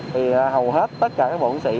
thì hầu hết tất cả các bộ ứng sĩ